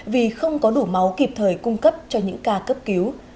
vì không có đủ máu kịp thời cung cấp cho những ca cấp cứu